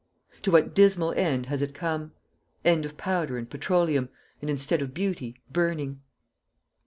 To what dismal end has it come! End of powder and petroleum, and instead of beauty, burning!